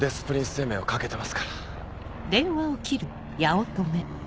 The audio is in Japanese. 生命を懸けてますから。